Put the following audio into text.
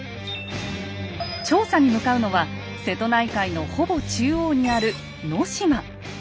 調査に向かうのは瀬戸内海のほぼ中央にある能島。